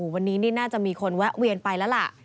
วันนี้นี่น่าจะมีคนแวะเวียนไปแล้วล่ะ